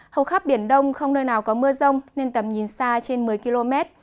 hầu khắp biển đông không nơi nào có mưa rông nên tầm nhìn xa trên một mươi km